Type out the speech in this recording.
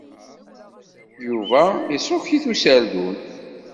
Yuba iṣukk-it userdun.